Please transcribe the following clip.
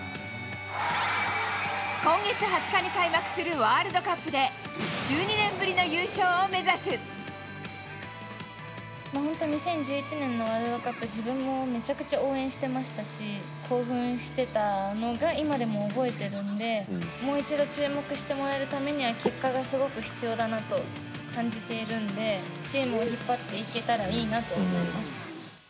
今月２０日に開幕するワールドカップで、もう本当、２０１１年のワールドカップ、自分もめちゃくちゃ応援してましたし、興奮してたのが今でも覚えてるんで、もう一度注目してもらえるためには、結果がすごく必要だなと感じているんで、チームを引っ張っていけたらいいなと思います。